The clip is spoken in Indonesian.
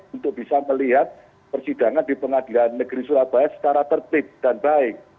untuk bisa melihat persidangan di pengadilan negeri surabaya secara tertib dan baik